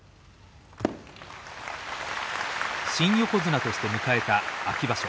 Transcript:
新横綱として迎えた秋場所。